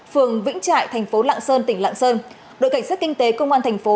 phường vĩnh trại thành phố lạng sơn tỉnh lạng sơn đội cảnh sát kinh tế công an thành phố